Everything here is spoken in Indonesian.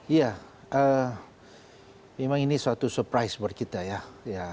iya memang ini suatu surprise buat kita ya